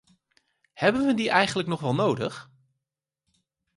Hebben we die eigenlijk nog wel nodig?